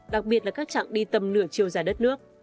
đặc biệt là các chặng đi tầm nửa chiều dài đất nước